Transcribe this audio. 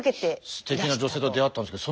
ステキな女性と出会ったんですけど